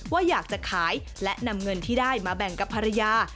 ว่าอยากจะขายและนำเงินที่ได้มาแบ่งกับภรรยา